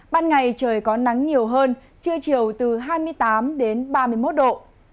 ban ngày trời có nắng nhiều hơn trưa chiều từ hai mươi tám đến ba mươi một độ